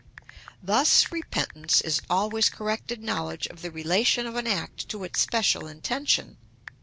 Thus repentance is always corrected knowledge of the relation of an act to its special intention.